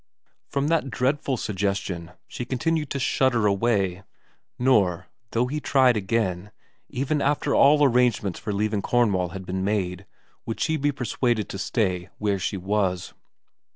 From that dreadful suggestion she continued to shudder away ; nor, though he tried again, even after all arrangements for leaving Cornwall had been made, would she be persuaded to stay where she was.